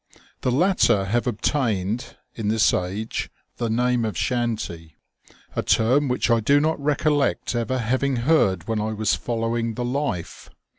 The latter have obtained, in this age, the name of " chanty," a term which I do not recollect ever having heard when I was following the life.